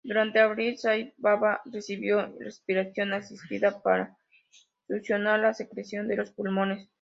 Durante abril, Sai Baba recibió respiración asistida para succionar la secreción de los pulmones.